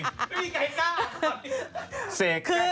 ไม่มีไก่ก้าล